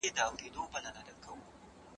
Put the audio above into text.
ډاکټر ډسیس وايي موږ له کلونو هڅې کړي دي.